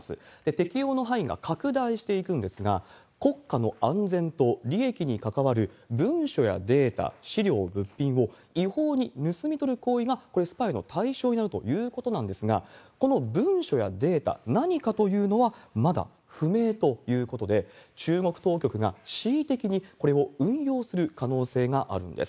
適用の範囲が拡大していくんですが、国家の安全と利益に関わる文書やデータ、資料、物品を違法に盗み取る行為が、こういうスパイの対象になるということなんですが、この文書やデータ、何かというのはまだ不明ということで、中国当局が恣意的にこれを運用する可能性があるんです。